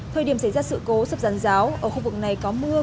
thời điểm xảy ra sự cố sấp giàn giáo ở khu vực này có mưa